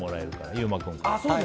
優馬君から。